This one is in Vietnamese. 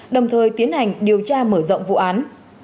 đồng thời tiến hành điều tra mở rộng vụ án